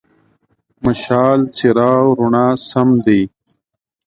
مشال: څراغ، رڼا سم دی.